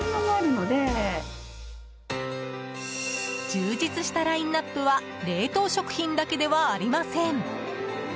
充実したラインアップは冷凍食品だけではありません。